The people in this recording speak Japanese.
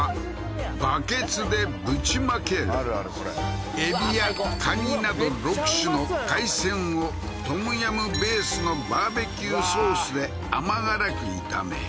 ぶちまけるあるあるこれエビやカニなど６種の海鮮をトムヤムベースのバーベキューソースで甘辛く炒め